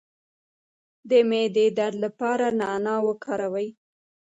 د معدې درد لپاره نعناع وکاروئ